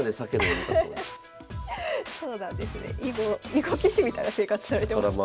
囲碁棋士みたいな生活されてますね。